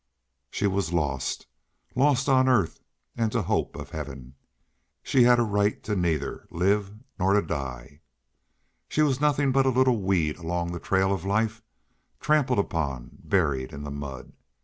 She was lost lost on earth and to hope of heaven. She had right neither to live nor to die. She was nothing but a little weed along the trail of life, trampled upon, buried in the mud.